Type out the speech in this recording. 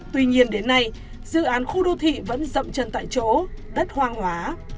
tuy nhiên đến nay dự án khu đô thị vẫn rậm chân tại chỗ đất hoang hóa